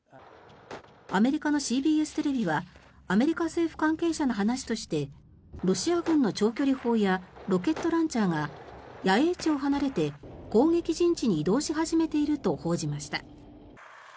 アメリカのＣＢＳテレビはアメリカ政府関係者の話としてロシア軍の長距離砲やロケットランチャーが野営地を離れて攻撃陣地に移動し始めていると報じました。